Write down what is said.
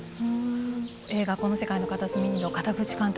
映画「この世界の片隅に」の片渕監督。